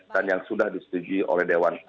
dan yang sudah disetujui oleh dewan